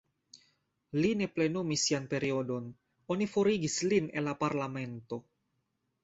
Li ne plenumis sian periodon, oni forigis lin el la parlamento.